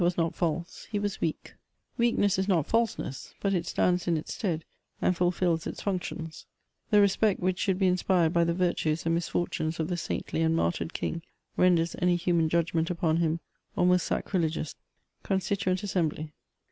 was not false— he was weak ; weakness is not falseness, but it stands in its stead and fulfils its functions ; the respect which should be inspired by the virtues and misfortunes of the saintly and martyred king renders any human judgment upon him almost sacrilegious. 214 MEMOIBS OF CONSTITUBNT ABBEMBLT.